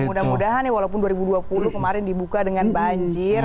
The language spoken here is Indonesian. mudah mudahan ya walaupun dua ribu dua puluh kemarin dibuka dengan banjir